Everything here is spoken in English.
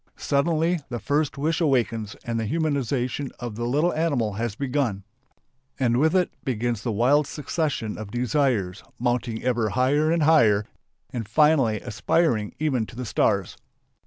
Suddenly the first wish awakens and the humanization of the little animal has begun. And with it begins the wild succession of desires, mounting ever higher and higher and finally aspiring even to the stars.